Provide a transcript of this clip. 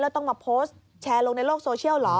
แล้วต้องมาโพสต์แชร์ลงในโลกโซเชียลเหรอ